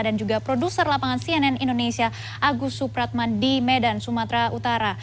dan juga produser lapangan cnn indonesia agus supratman di medan sumatera utara